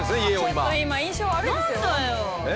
ちょっと今印象悪いですよ。